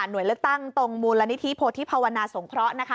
โดยเลือกตั้งตรงมูลนิธิโพธิภาวนาสงเคราะห์นะคะ